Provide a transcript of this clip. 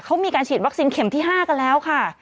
เขามีการฉีดวัคซีนเข็มที่๕กันแล้วค่ะ